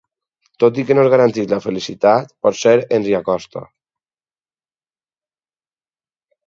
Tot i que no ens garanteix la felicitat, potser ens hi acosta.